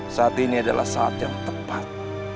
saat ini adalah saat yang tepat